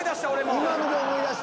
今ので思い出した。